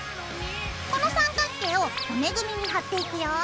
この三角形を骨組みに貼っていくよ。